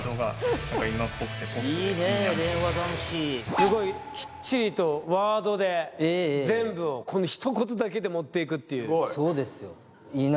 すごいきっちりとワードでええええ全部をこのひと言だけで持っていくっていうすごいそうですよ